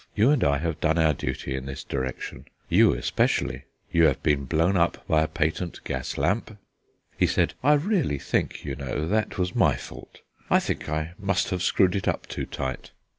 You and I have done our duty in this direction, you especially. You have been blown up by a patent gas lamp " He said: "I really think, you know, that was my fault; I think I must have screwed it up too tight."